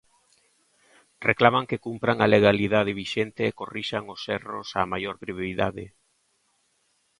Reclaman que cumpran a legalidade vixente e corrixan os erros á maior brevidade.